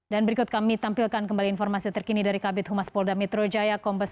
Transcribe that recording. dan berikut kami tampilkan kembali informasi terkini dari kabupaten humas polda metro jaya